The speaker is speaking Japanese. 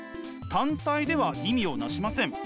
単体では意味をなしません。